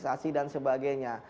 sasi dan sebagainya